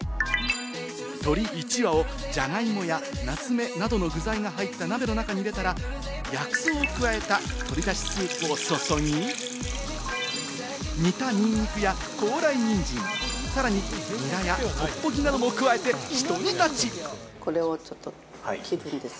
鶏一羽、ジャガイモやナツメなどの具材が入った鍋の中に入れたら薬草を加えた鶏だしスープを注ぎ、煮たニンニクや高麗人参、さらに、ニラやトッポギなども加えて、ひと煮立ち。